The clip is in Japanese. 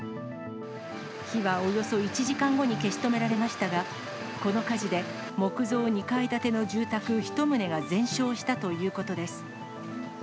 火はおよそ１時間後に消し止められましたが、この火事で木造２階建ての住宅１棟が全焼したということです。